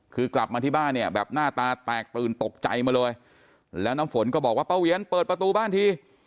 คือกลับมาที่บ้านเนี่ยแบบหน้าตาแตกตื่นตกใจมาเลยแล้วน้ำฝนก็บอกว่าป้าเวียนเปิดประตูบ้านที